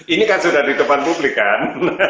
ini kan sudah di depan publik kan